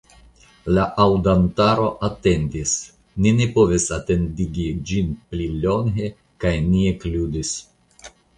La aŭdantaro atendis; ni ne povis atendigi ĝin pli longe, kaj ni ekludis.